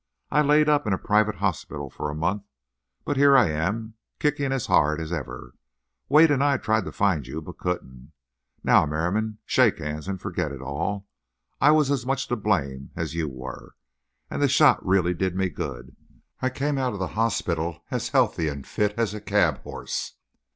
I laid up in a private hospital for a month; but here I am, kicking as hard as ever. Wade and I tried to find you, but couldn't. Now, Merriam, shake hands and forget it all. I was as much to blame as you were; and the shot really did me good—I came out of the hospital as healthy and fit as a cab horse.